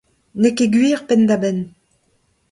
N'eo ket gwir penn-da-benn.